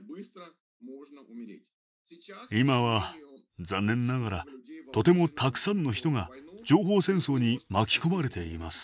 今は残念ながらとてもたくさんの人が情報戦争に巻き込まれています。